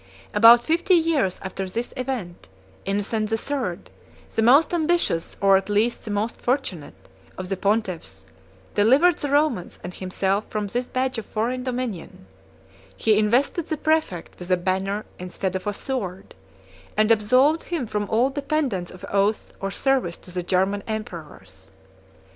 About fifty years after this event, Innocent the Third, the most ambitious, or at least the most fortunate, of the Pontiffs, delivered the Romans and himself from this badge of foreign dominion: he invested the præfect with a banner instead of a sword, and absolved him from all dependence of oaths or service to the German emperors.